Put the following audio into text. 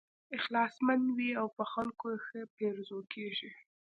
اخلاصمن وي او په خلکو یې ښه پیرزو کېږي.